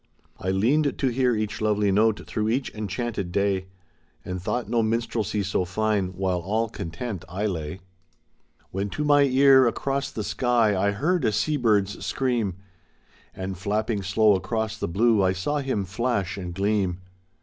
I leaned to hear each lovely note through each en chanted day! And thought no minstrelsy so fine, while all content I lay, 4 THE SAD YEARS THE SEA MEW (Continued) When to my ear, across the sky, I heard a sea Hrd's scream. And, flapping slow across the blue, I saw him flash and gleam.